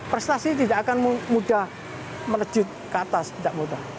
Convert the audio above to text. prestasi tidak akan mudah melejut ke atas tidak mudah